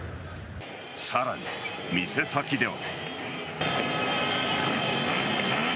さらに、店先では。